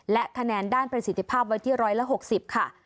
และคะแนนด้านประสิทธิภาพไว้ที่๑๖๐ค่ะ